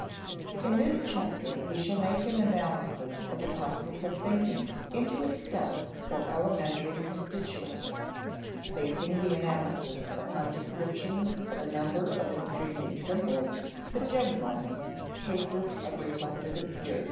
In this chapter we shall make an analysis of the process of thinking into its steps or elementary constituents, basing the analysis upon descriptions of a number of extremely simple, but genuine, cases of reflective experience.